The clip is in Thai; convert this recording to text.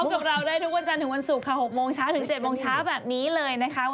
กับเราได้ทุกวันจันทร์ถึงวันศุกร์ค่ะ๖โมงเช้าถึง๗โมงเช้าแบบนี้เลยนะคะ